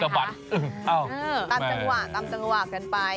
สะบัดตามจังหวะกันไป